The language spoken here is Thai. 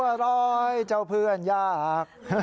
เอ้าบัวร้อยเจ้าเพื่อนยาก